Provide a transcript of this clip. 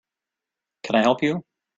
Can I help you?